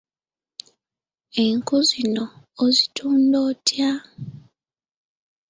Enku zino ozitunda otya?